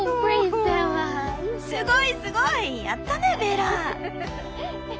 すごいすごいやったねベラ！